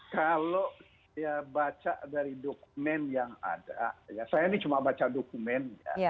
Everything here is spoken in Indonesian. kalau saya baca dari dokumen yang ada ya saya ini cuma baca dokumen